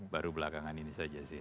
baru belakangan ini saja sih